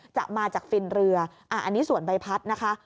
จะมาจากฟินเรืออันนี้ส่วนใบพัดนะคะ